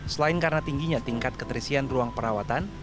selain karena tingginya tingkat keterisian ruang perawatan